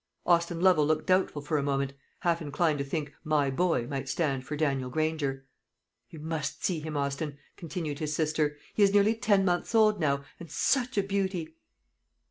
Austin Lovel looked doubtful for a moment, half inclined to think "my boy" might stand for Daniel Granger. "You must see him, Austin," continued his sister; "he is nearly ten months old now, and such a beauty!"